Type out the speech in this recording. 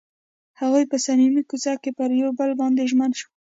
هغوی په صمیمي کوڅه کې پر بل باندې ژمن شول.